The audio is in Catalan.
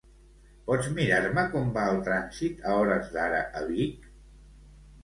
Pots mirar-me com va el trànsit a hores d'ara a Vic?